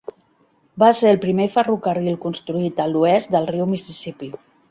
Va ser el primer ferrocarril construït a l'oest del riu Mississippi.